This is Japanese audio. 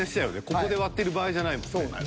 ここで割ってる場合じゃないもんね。